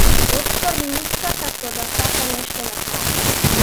Отвори уста како да сака нешто да каже.